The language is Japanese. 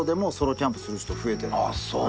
あっそう？